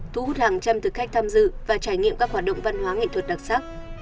thu hút hàng trăm thực khách tham dự và trải nghiệm các hoạt động văn hóa nghệ thuật đặc sắc